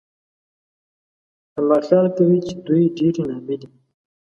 اما خيال کوي چې دوی ډېرې نامي دي